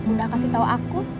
udah kasih tau aku